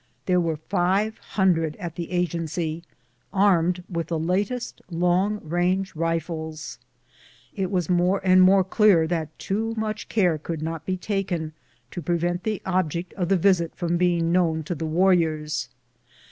There were five hundred at the Agency, armed with the latest long rang'^ rifles. It was more CAPTURE AND ESCAPE OF RAIN IN THE FACE. 205 and more clear that too mncli care could not be taken to prevent the object of the visit being known to the warriors.